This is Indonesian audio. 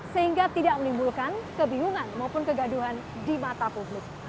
sehingga tidak menimbulkan kebingungan maupun kegaduhan di mata publik